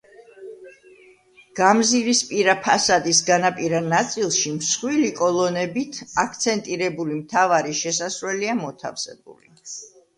გამზირისპირა ფასადის განაპირა ნაწილში მსხვილი კოლონებით აქცენტირებული მთავარი შესასვლელია მოთავსებული.